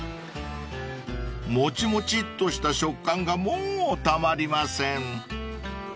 ［もちもちっとした食感がもうたまりません］